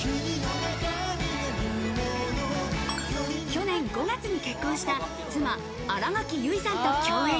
去年５月に結婚した妻・新垣結衣さんと共演。